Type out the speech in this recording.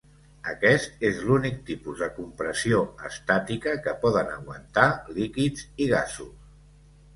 Aquest es l'únic tipus de compressió estàtica que poden aguantar líquids i gasos.